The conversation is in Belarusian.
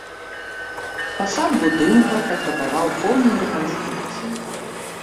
Фасад будынка патрабаваў поўнай рэканструкцыі.